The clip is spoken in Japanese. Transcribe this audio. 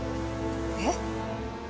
えっ？